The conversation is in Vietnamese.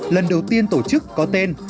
lần đầu tiên tổ chức có tên